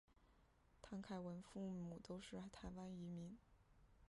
谭凯文父母都是台湾移民。